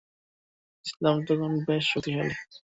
ইসলাম তখন বেশ শক্তিশালী।